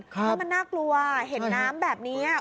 แล้วมันน่ากลัวเห็นน้ำแบบนี้